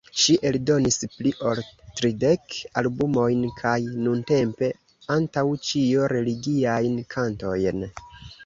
Ŝi eldonis pli ol tridek albumojn kaj nuntempe antaŭ ĉio religiajn kantojn.